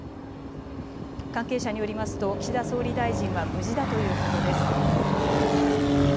関係者によりますと岸田総理大臣は無事だということです。